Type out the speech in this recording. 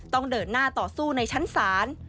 เดินหน้าต่อสู้ในชั้นศาล